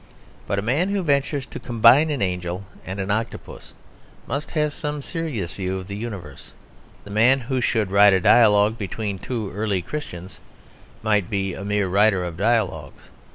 But a man who ventures to combine an angel and an octopus must have some serious view of the universe. The man who should write a dialogue between two early Christians might be a mere writer of dialogues.